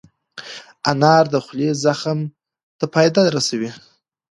انار د خولې زخم ته فایده رسوي.